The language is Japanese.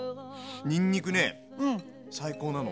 にんにくね最高なの。